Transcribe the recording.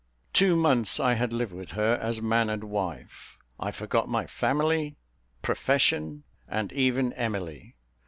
Two months I had lived with her, as man and wife; I forgot my family, profession, and even Emily.